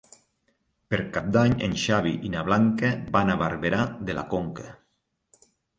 Per Cap d'Any en Xavi i na Blanca van a Barberà de la Conca.